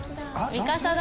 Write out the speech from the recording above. ミカサだ。